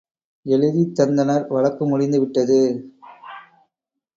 எழுதித் தந்தனர் வழக்கு முடிந்துவிட்டது.